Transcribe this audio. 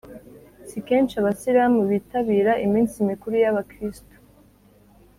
Si kenshi Abisilamu bitabira iminsi mikuru ya abakirisitu